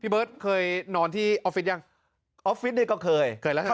เบิร์ตเคยนอนที่ออฟฟิศยังออฟฟิศนี่ก็เคยเคยแล้วครับ